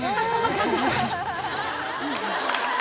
帰ってきた。